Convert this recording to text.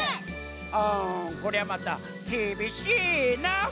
あこりゃまたきびしいなあ。